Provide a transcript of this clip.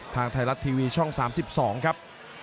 ทางไทยรัฐทีวีช่อง๓๒ครับ